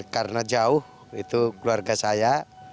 karena jauh itu keluarga saya